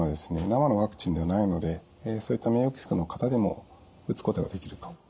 生のワクチンではないのでそういった免疫抑制の方でも打つことができると。